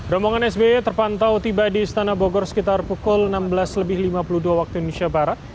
rombongan sby terpantau tiba di istana bogor sekitar pukul enam belas lebih lima puluh dua waktu indonesia barat